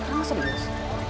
apa maksudnya mas